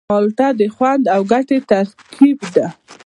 مالټه د خوند او ګټې ترکیب دی.